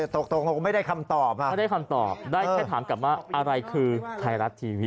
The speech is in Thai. ตกลงไม่ได้คำตอบไม่ได้คำตอบได้แค่ถามกลับว่าอะไรคือไทยรัฐทีวี